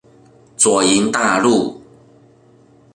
左營大路